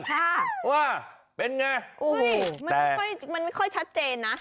ค่ะว่าเป็นไงแต่มันไม่ค่อยชัดเจนนะ